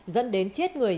dẫn đến chết người